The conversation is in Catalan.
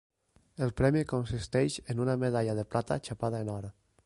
El premi consisteix en una medalla de plata xapada en or.